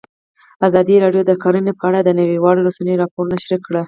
ازادي راډیو د کرهنه په اړه د نړیوالو رسنیو راپورونه شریک کړي.